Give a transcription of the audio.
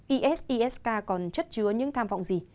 isis k còn chất chứa những tham vọng gì